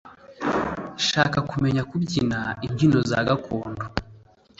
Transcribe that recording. nhaka kumenya kubyina ibyino zagakondo